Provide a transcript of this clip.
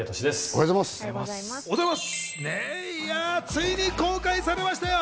ついに公開されましたよ。